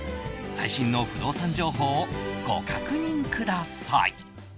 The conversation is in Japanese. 最新の不動産情報をご確認ください。